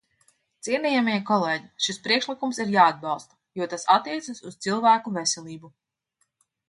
Cienījamie kolēģi, šis priekšlikums ir jāatbalsta, jo tas attiecas uz cilvēku veselību.